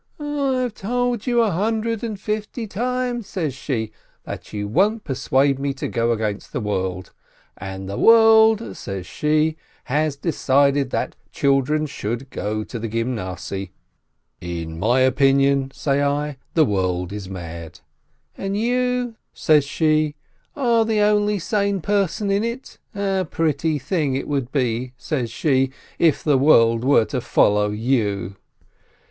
— "I've told you a hundred and fifty times," says she, "that you won't persuade me to go against the world! And the world," says she, "has decided that children should go to the Gymnasiye." — "In my opinion," say I, "the world is mad!" — "And you," says she, "are the only sane person in it ? A pretty thing it would be," says she, "if the world were to follow you